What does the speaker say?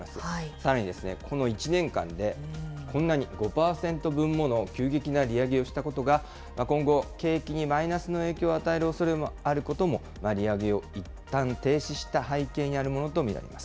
さらに、この１年間でこんなに、５％分もの急激な利上げをしたことが、今後、景気にマイナスの影響を与えるおそれもあることも、利上げをいったん停止した背景にあるものと見られます。